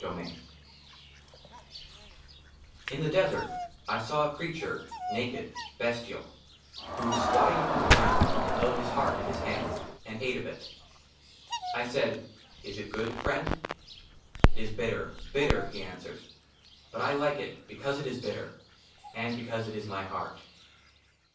d Ill IN THE DESERT I SAW A CREATURE, NAKED, BESTIAL, WHO, SQUATTING UPON THE GROUND, HELD HIS HEART IN HIS HANDS, AND ATE OF IT. I SAID, " IS IT GOOD, FRIEND ?'* "IT IS BITTER BITTER," HE ANSWERED; "BUT I LIKE IT " BECAUSE IT IS BITTER, " AND BECAUSE IT IS MY HEART."